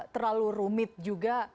terlalu rumit juga